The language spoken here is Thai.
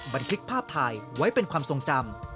บันทึกภาพถ่ายไว้เป็นความทรงจำ